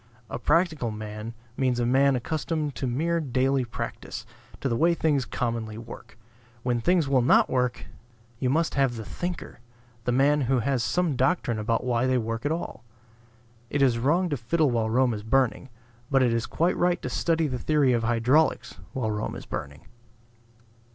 A practical man means a man accustomed to mere daily practice, to the way things commonly work. When things will not work, you must have the thinker, the man who has some doctrine about why they work at all. It is wrong to fiddle while Rome is burning; but it is quite right to study the theory of hydraulics while Rome is burning.